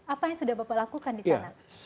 apa yang sudah bapak lakukan di sana